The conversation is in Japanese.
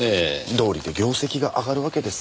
どうりで業績が上がるわけですね。